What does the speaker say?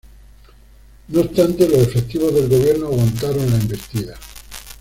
No obstante, los efectivos del gobierno aguantaron la embestida.